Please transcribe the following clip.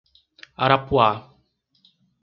Arapuá